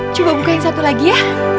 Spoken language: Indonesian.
coba buka yang satu lagi ya